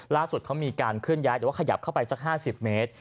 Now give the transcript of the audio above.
ล่าสุดเขามีการเคลื่อนย้ายแต่ว่าขยับเข้าไปสัก๕๐เมตร